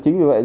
chính vì vậy